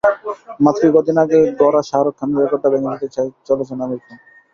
মাত্রই কদিন আগে গড়া শাহরুখ খানের রেকর্ডটাও ভেঙে দিতে চলেছেন আমির খান।